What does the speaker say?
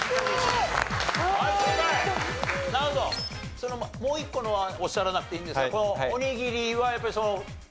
そのもう一個のはおっしゃらなくていいんですがこのおにぎりはやっぱりその２人の外国人の方。